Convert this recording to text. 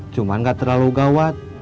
cuma nggak terlalu gawat